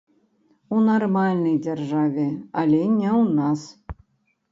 У нармальнай дзяржаве, але не ў нас.